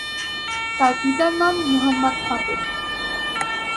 তার পিতার নাম মুহাম্মদ ফাতেহ।